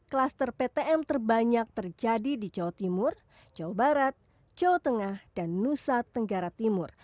kluster ptm terbanyak terjadi di jawa timur jawa barat jawa tengah dan nusa tenggara timur